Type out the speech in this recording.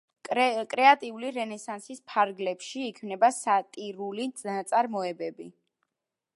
კრეტული რენესანსის ფარგლებში იქმნება სატირული ნაწარმოებები.